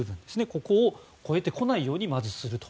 ここを越えてこないようにまず、すると。